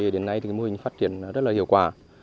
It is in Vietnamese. đến nay mô hình phát triển rất hiệu quả